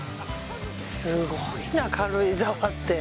すごいな、軽井沢って。